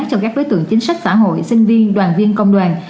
cho các đối tượng chính sách xã hội sinh viên đoàn viên công đoàn